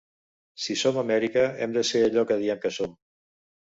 Si som Amèrica, hem de ser allò que diem que som.